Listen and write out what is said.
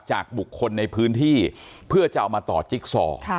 จากบุคคลในพื้นที่เพื่อจะเอามาต่อจิ๊กซอ